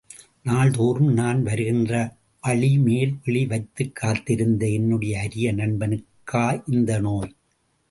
நாள் தோறும் நான் வருகின்ற வழி மேல் விழி வைத்துக் காத்திருந்த என்னுடைய அரிய நண்பனுக்கா இந்த நோய்?